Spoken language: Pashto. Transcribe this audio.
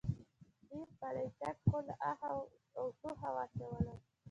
دې پلی تګ خو له آخه او ټوخه واچولم.